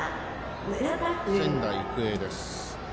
仙台育英です。